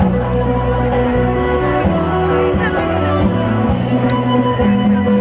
สวัสดีสวัสดี